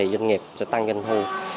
doanh nghiệp sẽ tăng doanh thu